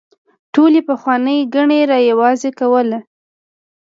ټولې پخوانۍ ګڼې رايوځاي کول